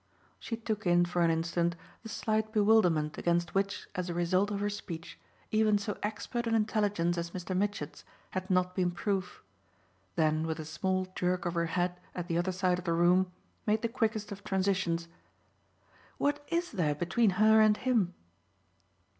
She took in for an instant the slight bewilderment against which, as a result of her speech, even so expert an intelligence as Mr. Mitchett's had not been proof; then with a small jerk of her head at the other side of the room made the quickest of transitions. "What IS there between her and him?"